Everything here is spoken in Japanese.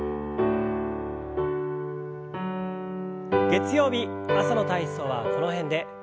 月曜日朝の体操はこの辺で。